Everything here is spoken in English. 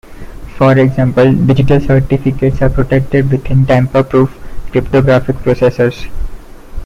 For example, digital certificates are protected within tamper-proof cryptographic processors.